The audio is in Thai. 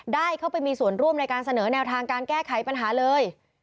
ได้เข้าไปมีส่วนร่วมในการเสนอแนวทางการแก้ไขปัญหาเลย